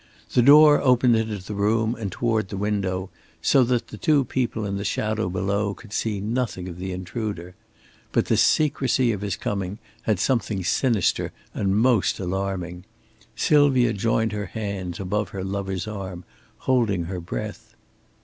The door opened into the room and toward the window, so that the two people in the shadow below could see nothing of the intruder. But the secrecy of his coming had something sinister and most alarming. Sylvia joined her hands above her lover's arm, holding her breath.